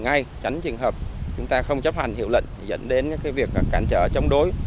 ngay tránh trình hợp chúng ta không chấp hành hiệu lệnh dẫn đến cái việc cản trở chống đối